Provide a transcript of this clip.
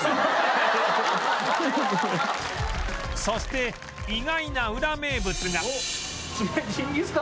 そして意外なウラ名物が